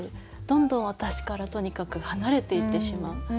どんどん私からとにかく離れていってしまう。